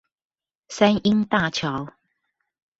三鶯大橋